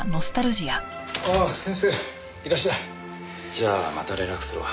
じゃあまた連絡するわ。